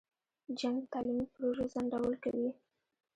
جنګ د تعلیمي پروژو ځنډول کوي.